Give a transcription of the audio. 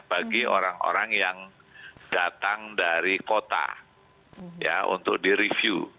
bagi orang orang yang datang dari kota untuk direview